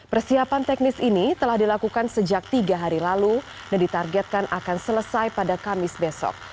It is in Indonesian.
persiapan teknis ini telah dilakukan sejak tiga hari lalu dan ditargetkan akan selesai pada kamis besok